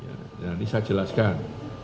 nah ini saya jelaskan